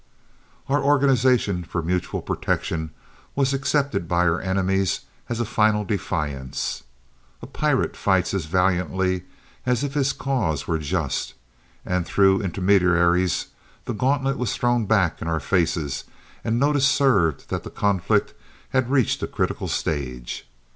Our organization for mutual protection was accepted by our enemies as a final defiance. A pirate fights as valiantly as if his cause were just, and, through intermediaries, the gauntlet was thrown back in our faces and notice served that the conflict had reached a critical stage.